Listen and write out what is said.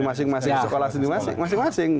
masing masing sekolah sendiri